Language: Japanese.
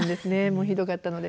もうひどかったので。